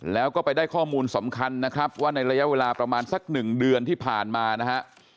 แล้วก็ไปได้ข้อมูลสำคัญนะครับว่าในระยะเวลาประมาณสักหนึ่งเดือนที่ผ่านมานะฮะ